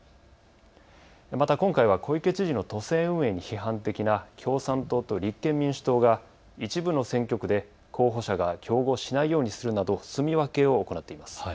また今回は小池知事の都政運営に批判的な共産党と立憲民主党が一部の選挙区で候補者が競合しないようにするなど、すみ分けを行っています。